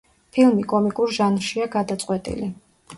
ფილმი კომიკურ ჟანრშია გადაწყვეტილი.